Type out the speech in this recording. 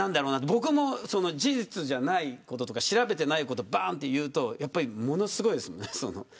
僕も事実じゃないこととか調べてないことを言うとものすごいですもんね。